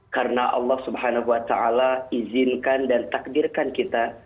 karena allah subhanahu wa ta'ala izinkan dan takdirkan kita